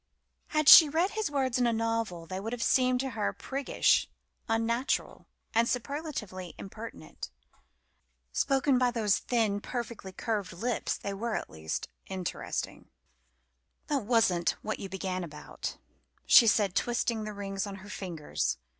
Had she read his words in a novel they would have seemed to her priggish, unnatural, and superlatively impertinent. Spoken by those thin, perfectly curved lips, they were at least interesting. "That wasn't what you began about," she said, twisting the rings on her fingers.